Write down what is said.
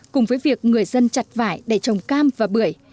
cùng với việc người dân chặt vải để trồng cam và bưởi